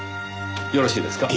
よろしいですか？